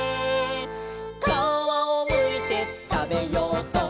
「かわをむいてたべようと」